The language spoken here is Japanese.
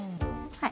はい。